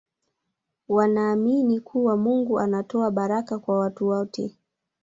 wanaamini kuwa mungu anatoa baraka kwa watu wote